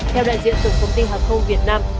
theo đại diện tổng công ty hàng không việt nam